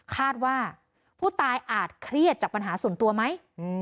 คาดว่าผู้ตายอาจเครียดจากปัญหาส่วนตัวไหม